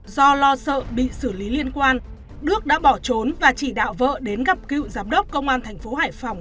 do lo sợ bị xử lý liên quan đức đã bỏ trốn và chỉ đạo vợ đến gặp cựu giám đốc công an thành phố hải phòng